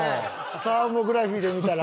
サーモグラフィーで見たら。